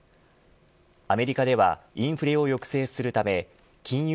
アメリカではインフレを抑制するため金融